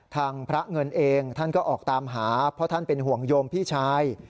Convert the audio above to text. ทางพระเงินเองท่านก็ออกตามหาเพราะท่านเป็นห่วงโยมพี่ชาย